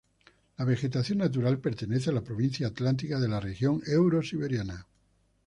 La vegetación natural pertenece a la provincia atlántica de la región euro-siberiana.